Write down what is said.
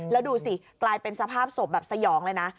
แล้วดูสิกลายเป็นสภาพศพแบบสยองเลยนะ